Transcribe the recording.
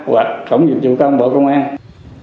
hoặc cổng dịch vụ công bộ công an